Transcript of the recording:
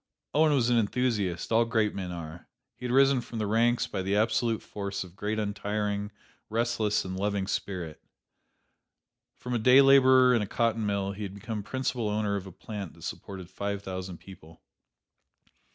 Owen was an enthusiast: all great men are. He had risen from the ranks by the absolute force of his great untiring, restless and loving spirit. From a day laborer in a cotton mill he had become principal owner of a plant that supported five thousand people.